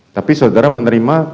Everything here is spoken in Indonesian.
tapi saudara menerima